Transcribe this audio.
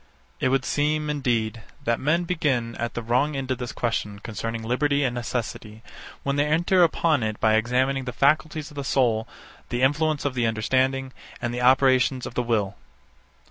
72. It would seem, indeed, that men begin at the wrong end of this question concerning liberty and necessity, when they enter upon it by examining the faculties of the soul, the influence of the understanding, and the operations of the will.